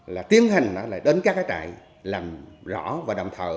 là tiến hành đến các trại làm rõ và đậm thợ